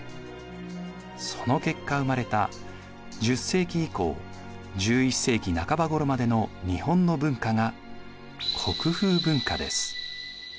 その結果生まれた１０世紀以降１１世紀半ばごろまでの日本の文化が国風文化です。